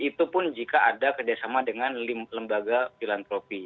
itu pun jika ada keden sama dengan lembaga filantropi